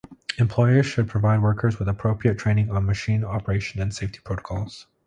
Employers should provide workers with appropriate training on machine operation and safety protocols.